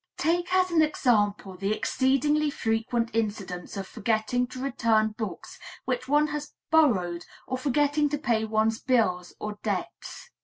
Take as an example the exceedingly frequent incidents of forgetting to return books which one has borrowed, or forgetting to pay one's bills or debts.